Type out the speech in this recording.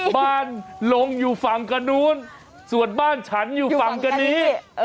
บ้านลงอยู่ฝั่งกระนู้นส่วนบ้านฉันอยู่ฝั่งกันนี้